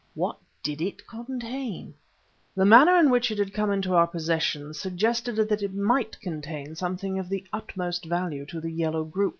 What did it contain? The manner in which it had come into our possession suggested that it might contain something of the utmost value to the Yellow group.